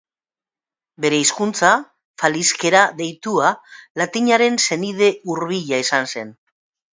Bere hizkuntza, faliskera deitua, latinaren senide hurbila izan zen.